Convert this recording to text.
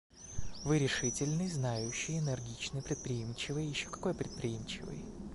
Вы решительный, знающий, энергичный, предприимчивый еще какой предприимчивый.